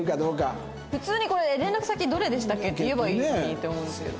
普通に「連絡先どれでしたっけ？」って言えばいいのにって思うんですけど。